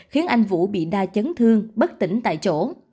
khiến anh vũ bị đa chấn thương bất tỉnh tại chỗ